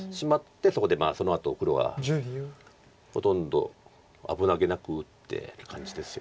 そこでそのあと黒はほとんど危なげなく打ってる感じですよね。